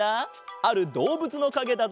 あるどうぶつのかげだぞ。